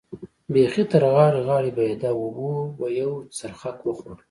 بېخي تر غاړې غاړې بهېده، اوبو به یو څرخک وخوړ.